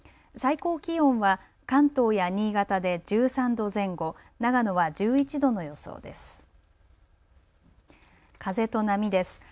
最高気温は関東や新潟で１３度前後、長野は１１度の予想です。